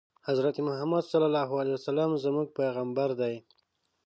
حضرت محمد ص زموږ پیغمبر دی